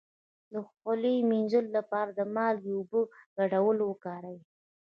د خولې د مینځلو لپاره د مالګې او اوبو ګډول وکاروئ